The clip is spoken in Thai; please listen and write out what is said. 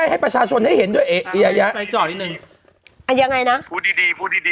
แจ๊คบอกแจ๊คบอกเกลียดเวลาจะพูดก็พูด